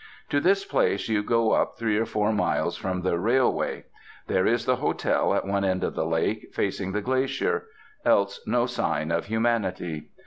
To this place you go up three or four miles from the railway. There is the hotel at one end of the lake, facing the glacier; else no sign of humanity.